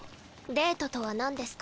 デートとは何ですか？